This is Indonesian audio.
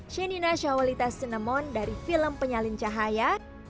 shenina shawalita cinemon dari film penyalin cahaya